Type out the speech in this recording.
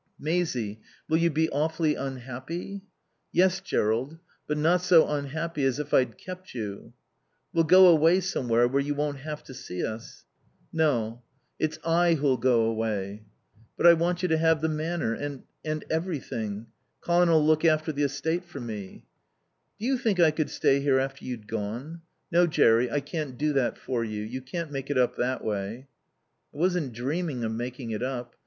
"Maisie will you be awfully unhappy?" "Yes, Jerrold. But not so unhappy as if I'd kept you." "We'll go away somewhere where you won't have to see us." "No. It's I who'll go away." "But I want you to have the Manor and and everything. Colin'll look after the estate for me." "Do you think I could stay here after you'd gone?... No, Jerry, I can't do that for you. You can't make it up that way." "I wasn't dreaming of making it up.